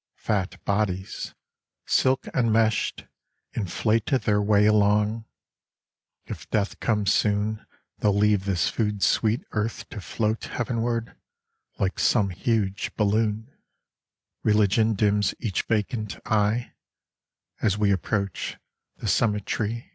Fat bodies, silk enmeshed, inflate Their way along ; if Death comes soon They'll leave this food sweet earth to float Heavenward, like some huge balloon. 14 Sunday Afternoon. Religion dims each vacant eye As we approach the cemet'ry.